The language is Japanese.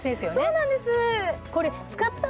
そうなんです！